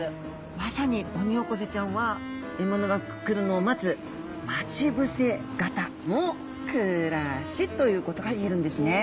まさにオニオコゼちゃんは獲物が来るのを待つということが言えるんですね。